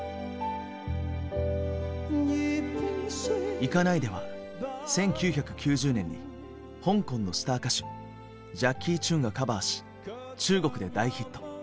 「行かないで」は１９９０年に香港のスター歌手ジャッキー・チュンがカバーし中国で大ヒット。